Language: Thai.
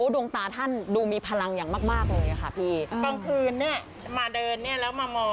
ดวงตาท่านดูมีพลังอย่างมากเลยนะคะพี่อ้อโอ้